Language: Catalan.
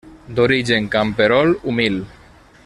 D'origen camperol humil.